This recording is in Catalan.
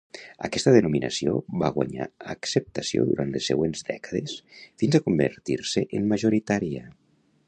Aquesta denominació va guanyar acceptació durant les següents dècades fins a convertir-se en majoritària.